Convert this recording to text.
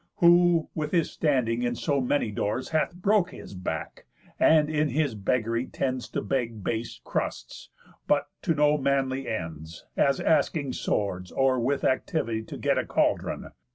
Who, with his standing in so many doors, Hath broke his back; and all his beggary tends To beg base crusts, but to no manly ends, As asking swords, or with activity To get a caldron.